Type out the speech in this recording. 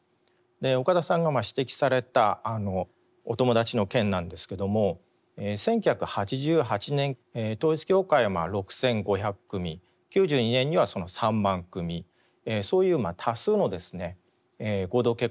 岡田さんが指摘されたお友達の件なんですけども１９８８年統一教会は６，５００組９２年には３万組そういう多数のですね合同結婚というのをやりました。